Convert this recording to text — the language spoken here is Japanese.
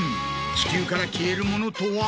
地球から消えるものとは？